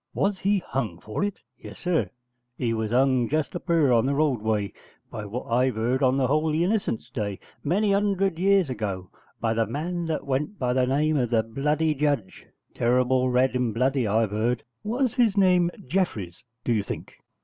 'Was he hung for it?' 'Yes, sir, he was hung just up yurr on the roadway, by what I've 'eard, on the Holy Innocents' Day, many 'undred years ago, by the man that went by the name of the bloody judge: terrible red and bloody, I've 'eard.' 'Was his name Jeffreys, do you think?'